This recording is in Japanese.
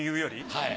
はい。